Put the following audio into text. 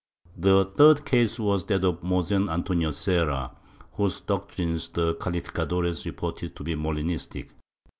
The third case was that of Mosen Antonio Serra, whose doctrines the calificadores reported to be MoHnistic.